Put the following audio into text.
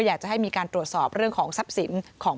อยากจะให้มีการตรวจสอบเรื่องของทรัพย์สินของ